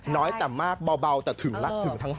น้อยแต่มากเบาแต่ถึงรักถึงทั้ง๕